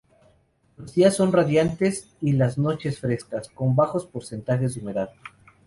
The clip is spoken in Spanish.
Los días son radiantes y las noches frescas, con bajos porcentajes de humedad.